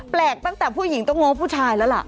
แปลกตั้งแต่ผู้หญิงต้องงบผู้ชายแล้วล่ะ